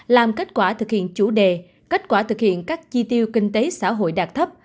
làm kết quả thực hiện chủ đề kết quả thực hiện các chi tiêu kinh tế xã hội đạt thấp